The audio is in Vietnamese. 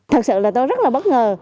thật sự là tôi rất là bất ngờ